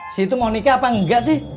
si itu mau nikah apa enggak sih